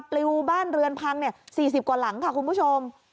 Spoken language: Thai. ประโยชน์บ้านเรือนพังเนี่ยสี่สิบกว่าหลังค่ะคุณผู้ชม